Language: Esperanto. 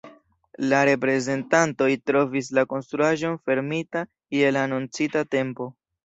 La reprezentantoj trovis la konstruaĵon fermita je la anoncita tempo.